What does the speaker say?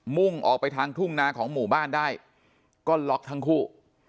่งออกไปทางทุ่งนาของหมู่บ้านได้ก็ล็อกทั้งคู่